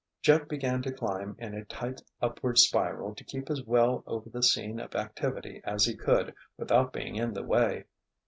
Jeff began to climb in a tight upward spiral to keep as well over the scene of activity as he could without being in the way.